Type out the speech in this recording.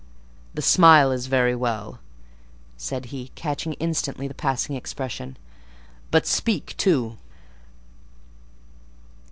"The smile is very well," said he, catching instantly the passing expression; "but speak too."